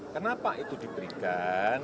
kenapa itu diberikan